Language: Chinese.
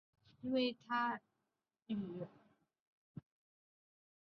因为他与一休宗纯间的往来而广为人知。